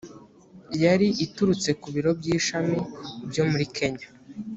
yari iturutse ku biro by ishami byo muri kenya